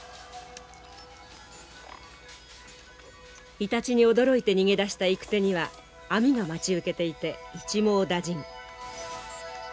イタチに驚いて逃げ出した行く手には網が待ち受けていて一網打尽。